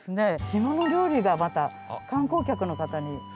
島の料理がまた観光客の方にすごく。